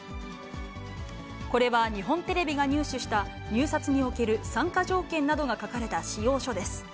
これは、日本テレビが入手した入札における参加条件などが書かれた仕様書です。